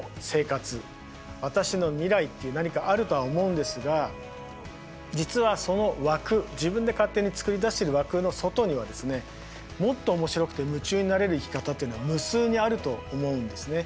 私の未来って何かあるとは思うんですが実はその枠自分で勝手に作り出してる枠の外にはですねもっと面白くて夢中になれる生き方っていうのは無数にあると思うんですね。